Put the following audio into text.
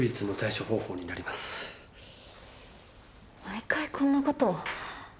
毎回こんなことを？